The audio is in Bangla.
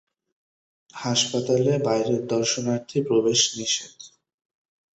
এই হাসপাতালে বাইরের দর্শনার্থী প্রবেশ নিষিদ্ধ।